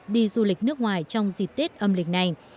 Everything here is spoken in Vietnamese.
đi du lịch nước ngoài trong dịp tết âm lịch này